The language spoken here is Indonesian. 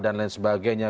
dan lain sebagainya